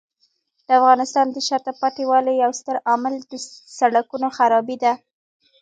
د افغانستان د شاته پاتې والي یو ستر عامل د سړکونو خرابۍ دی.